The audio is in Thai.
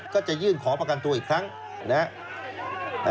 ก็จะยื่นขอประกันตัวอีกครั้งนะครับ